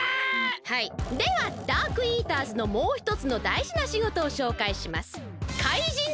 はいではダークイーターズのもうひとつのだいじなしごとをしょうかいします。